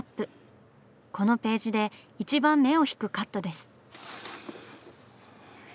このページで一番目を引くカットです。